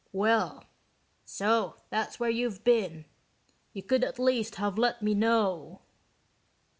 "Well. So that's where you've been. You could at least have let me know."